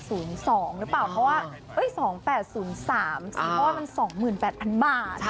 สวัสดีครับ